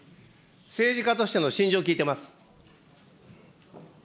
政治家としての信条を聞いてます。